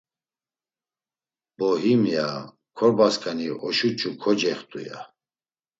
Bo him, ya; korbasǩani oşuç̌u kocext̆u, ya.